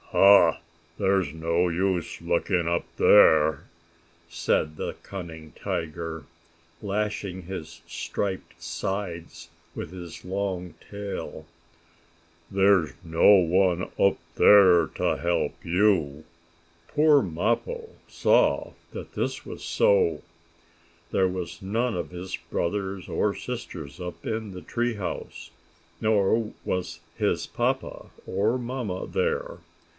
"Ha! There is no use looking up there!" said the cunning tiger, lashing his striped sides with his long tail. "There's no one up there to help you!" Poor Mappo saw that this was so. There was none of his brothers or sisters up in the tree house. Nor was his papa or mamma there.